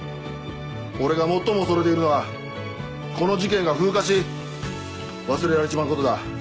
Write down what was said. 俺が最も恐れているのはこの事件が風化し忘れられちまうことだ。